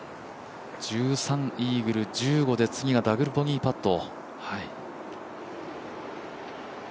１３、イーグル、１５で次がダブルボギーパット。